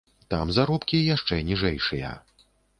Там заробкі яшчэ ніжэйшыя.